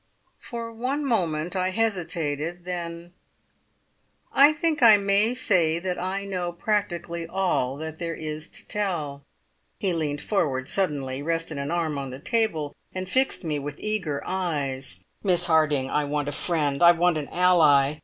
For one moment I hesitated, then: "I think I may say that I know practically all that there is to tell." He leant forward suddenly, rested an arm on the table, and fixed me with eager eyes. "Miss Harding, I want a friend! I want an ally.